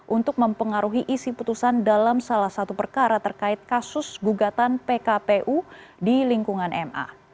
untuk mempengaruhi isi putusan dalam salah satu perkara terkait kasus gugatan pkpu di lingkungan ma